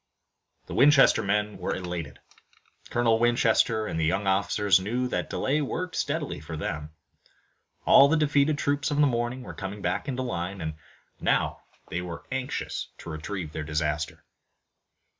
The Winchester men were elated. Colonel Winchester and the young officers knew that delay worked steadily for them. All the defeated troops of the morning were coming back into line, and now they were anxious to retrieve their disaster.